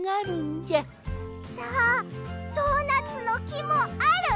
じゃあドーナツのきもある？